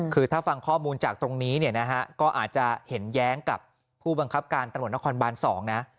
คือถ้าฟังข้อมูลจากตรงนี้เนี่ยนะฮะก็อาจจะเห็นแย้งกับผู้บังคับการตำรวจนครบาน๒นะ